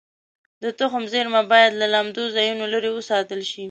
د تخم زېرمه باید له لمدو ځایونو لرې وساتل شي.